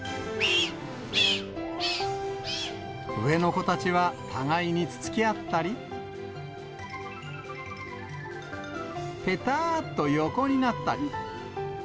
上の子たちは互いにつつき合ったり、ぺたーっと横になったり。